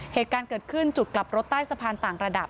เหตุการณ์เกิดขึ้นจุดกลับรถใต้สะพานต่างระดับ